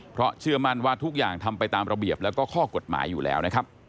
เพราะเชื่อมั่นว่าทุกอย่างทำไปตามระเบียบแล้วก็ข้อกฎหมายอยู่แล้วนะครับ